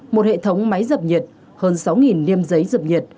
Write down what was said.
một hệ thống máy dập nhiệt hơn sáu liêm giấy dập nhiệt